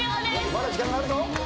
まだ時間があるぞ。